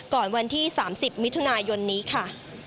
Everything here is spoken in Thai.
วันที่๓๐มิถุนายนนี้ค่ะ